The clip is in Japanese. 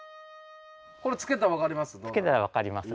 これつけたら分かります？